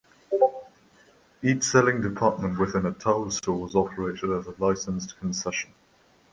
Each selling department within a Towers store was operated as a licensed concession.